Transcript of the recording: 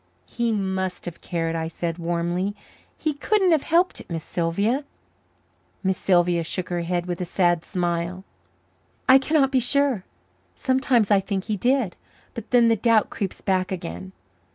"He must have cared," I said warmly. "He couldn't have helped it, Miss Sylvia." Miss Sylvia shook her head with a sad smile. "I cannot be sure. Sometimes I think he did. But then the doubt creeps back again.